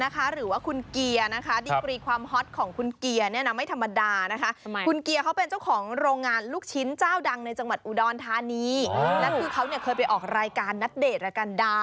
คือเขาขี้ร้อนน่ะน่าสงสารเนอะ